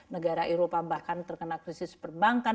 negara eropa bahkan terkena krisis perbankan